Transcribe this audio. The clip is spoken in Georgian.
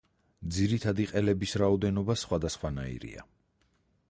ძირითადი ყელების რაოდენობა სხვადასხვანაირია.